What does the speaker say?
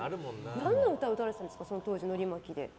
何の歌を歌われてたんですかその当時、のり巻きで。